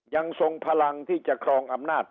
ยังทรงพลังที่จะครองอำนาจ